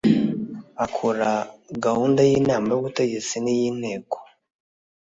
akora gahunda y inama y ubutegetsi n iy inteko